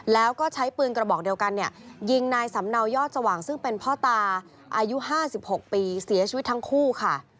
แล้วก็ใช้ปืนกระบอกเดียวกันเนี่ยยิงนายสำเนายอดสว่างซึ่งเป็นพ่อตาอายุ๕๖ปีเสียชีวิตทั้งคู่ค่ะ